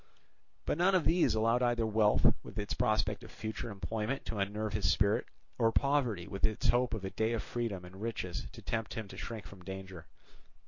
But none of these allowed either wealth with its prospect of future enjoyment to unnerve his spirit, or poverty with its hope of a day of freedom and riches to tempt him to shrink from danger.